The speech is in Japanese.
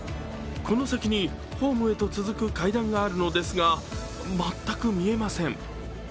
この先にホームへと続く階段があるのですが、全く見えません。